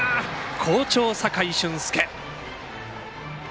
好調、酒井駿輔。